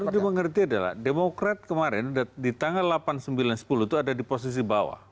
yang dimengerti adalah demokrat kemarin di tanggal delapan sembilan sepuluh itu ada di posisi bawah